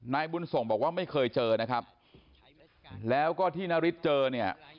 นายบุญส่งบอกว่าไม่เคยเจอนะครับแล้วก็ที่นาริสเจอเนี่ย